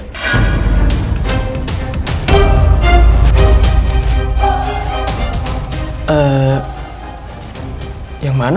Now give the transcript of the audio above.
supaya riki gak curiga